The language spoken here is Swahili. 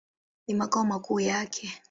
Ni makao makuu yake.